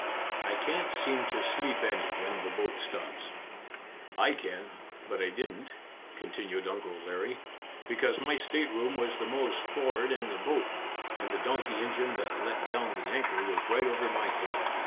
I can't seem to sleep any when the boat stops." "I can, but I didn't," continued Uncle Larry, "because my stateroom was the most for'ard in the boat, and the donkey engine that let down the anchor was right over my head."